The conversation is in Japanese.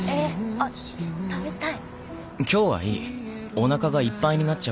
あっ食べたい。